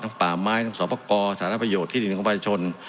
ป่าไม้ทั้งสอบประกอบสารประโยชน์ที่ดินของประชาชน